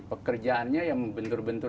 pekerjaannya yang membentur bentur